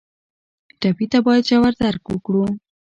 ټپي ته باید ژور درک وکړو.